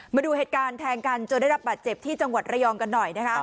มาดูเหตุการณ์แทงกันจนได้รับบาดเจ็บที่จังหวัดระยองกันหน่อยนะคะ